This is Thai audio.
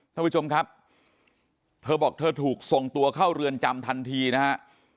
ท่านผู้ชมครับเธอบอกเธอถูกส่งตัวเข้าเรือนจำทันทีนะฮะ